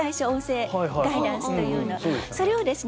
それをですね